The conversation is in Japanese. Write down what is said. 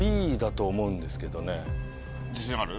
自信ある？